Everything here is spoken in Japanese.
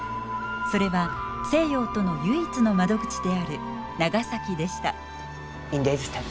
それは西洋との唯一の窓口である長崎でした。